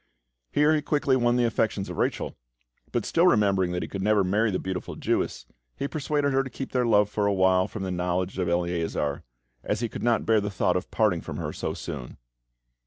Here he quickly won the affections of Rachel; but, still remembering that he could never marry the beautiful Jewess, he persuaded her to keep their love for awhile from the knowledge of Eleazar, as he could not bear the thought of parting from her so soon.